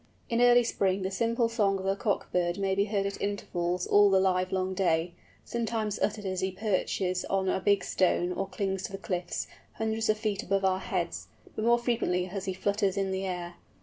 In early spring the simple song of the cock bird may be heard at intervals all the livelong day, sometimes uttered as he perches on a big stone or clings to the cliffs hundreds of feet above our heads, but more frequently as he flutters in the air.